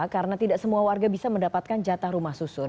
karena tidak semua warga bisa mendapatkan jatah rumah susun